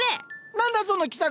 何だその奇策。